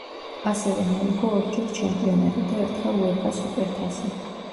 ასევე მოიგო ორჯერ ჩემპიონატი და ერთხელ უეფა-ს სუპერთასი.